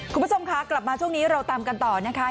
คุณผู้ชมคะกลับมาช่วงนี้เราตามกันต่อนะคะ